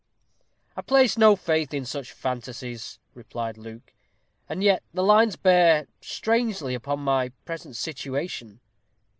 "I place no faith in such fantasies," replied Luke; "and yet the lines bear strangely upon my present situation."